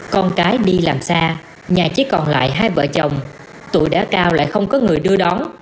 con cái đi làm xa nhà chỉ còn lại hai vợ chồng tuổi đã cao lại không có người đưa đón